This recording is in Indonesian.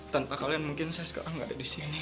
tanpa kalian mungkin saya sekarang nggak ada di sini